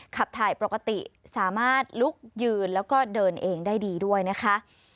ขับถ่ายปกติสามารถลุกยืนแล้วก็เดินเองได้ดีด้วยนะคะ